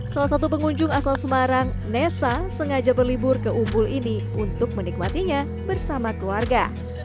salah satu pengunjung asal semarang nesa sengaja berlibur ke umbul ini untuk menikmatinya bersama keluarga